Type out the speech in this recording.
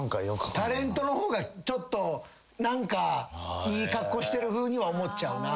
「タレント」の方がちょっと何かいいカッコしてるふうには思っちゃうな。